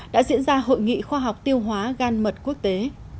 đã diễn ra hội nghị khoa học tiêu hóa gan mật quốc tế